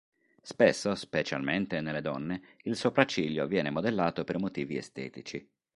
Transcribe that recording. Spesso, specialmente nelle donne, il sopracciglio viene modellato per motivi estetici.